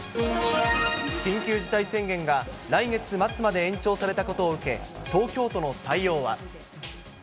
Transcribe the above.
緊急事態宣言が、来月末まで延長されたことを受け、東京都の対応は？